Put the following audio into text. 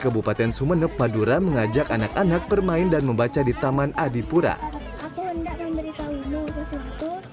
kebupaten sumeneb madura mengajak anak anak bermain dan membaca di taman adipura aku enggak memberi tahu